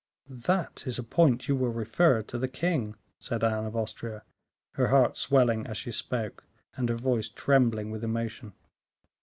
"That is a point you will refer to the king," said Anne of Austria, her heart swelling as she spoke, and her voice trembling with emotion.